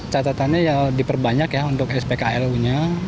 catatannya ya diperbanyak ya untuk spklu nya